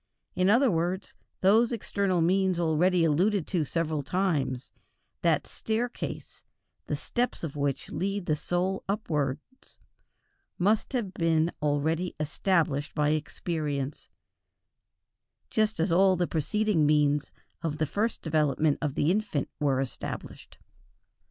In other words, those external means already alluded to several times, that staircase, the steps of which lead the soul upwards, must have been already established by experience, just as all the preceding means of the first development of the infant were established.